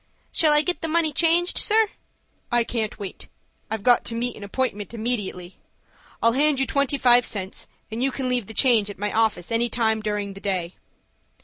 "Shall I get the money changed, sir?" "I can't wait; I've got to meet an appointment immediately. I'll hand you twenty five cents, and you can leave the change at my office any time during the day."